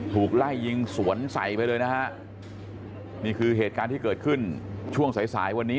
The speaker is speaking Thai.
ถูกไล่ยิงสวนใส่ไปเลยนะฮะนี่คือเหตุการณ์ที่เกิดขึ้นช่วงสายสายวันนี้